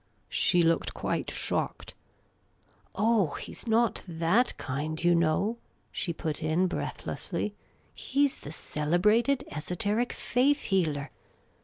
She looked quite shocked. " Oh, he 's not that kind, you know," she put in, breathlessly, " He 's the celebrated esoteric faith healer.